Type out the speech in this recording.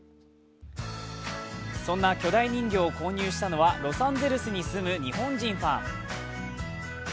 そんな巨大人形を購入したのはロサンゼルスに住む日本人ファン。